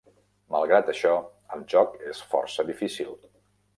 Malgrat això, el joc és força difícil.